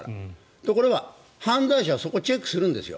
ところが犯罪者はそこをチェックするんです。